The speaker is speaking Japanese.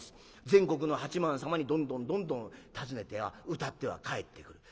全国の八幡様にどんどんどんどん訪ねては歌っては帰ってくる。